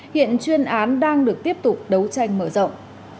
hiện chuyên án đang được tiếp tục đấu tranh mở rộng